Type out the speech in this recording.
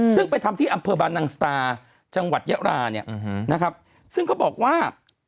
ซึ่งไปทำที่อำเภอบานังสตาจังหวัดยะราเนี่ยนะครับซึ่งเขาบอกว่า